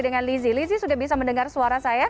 dengan lizzy lizzy sudah bisa mendengar suara saya